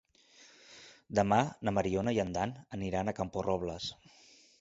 Demà na Mariona i en Dan aniran a Camporrobles.